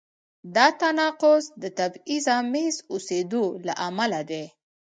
دا تناقض د تبعیض آمیز اوسېدو له امله دی.